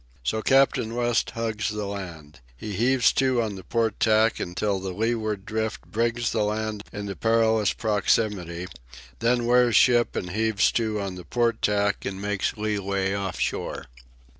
So Captain West hugs the land. He heaves to on the port tack until the leeward drift brings the land into perilous proximity, then wears ship and heaves to on the port tack and makes leeway off shore.